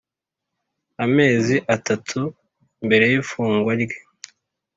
amezi atatu mbere y’ifungwa rye